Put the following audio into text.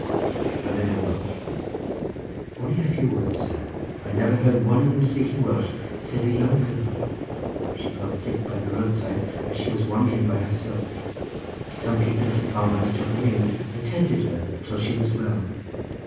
"Have they no Welsh?" "Only a few words, sir; I never heard of one of them speaking Welsh, save a young girl—she fell sick by the roadside, as she was wandering by herself—some people at a farm house took her in, and tended her till she was well.